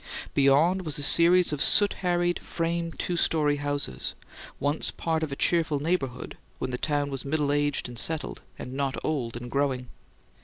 Beyond was a series of soot harried frame two story houses, once part of a cheerful neighbourhood when the town was middle aged and settled, and not old and growing.